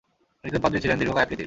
একজন পাদ্রী ছিলেন, দীর্ঘকায় আকৃতির!